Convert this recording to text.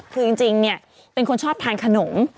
คือจริงเนี่ยเป็นคนชอบทานขนม